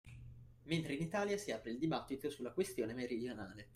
Mentre in Italia si apre il dibattito sulla questione meridionale